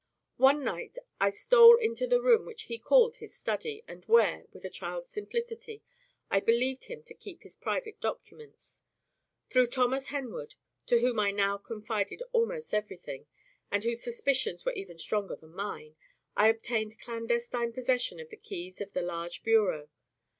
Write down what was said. One night, I stole into the room which he called his study, and where (with a child's simplicity) I believed him to keep his private documents. Through Thomas Kenwood, to whom I now confided almost everything, and whose suspicions were even stronger than mine, I obtained clandestine possession of the keys of the large bureau.